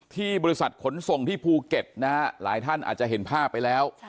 ที่บริษัทขนส่งที่ภูเก็ตนะฮะหลายท่านอาจจะเห็นภาพไปแล้ว